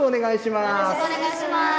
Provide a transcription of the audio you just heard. よろしくお願いします。